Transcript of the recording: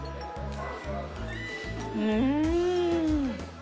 うん。